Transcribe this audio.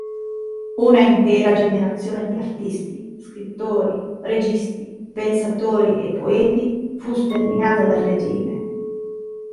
Una intera generazione di artisti, scrittori, registi, pensatori e poeti fu sterminata dal regime.